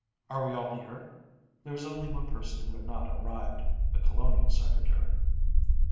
Are we all here?" There was only one person who had not arrived, the Colonial Secretary.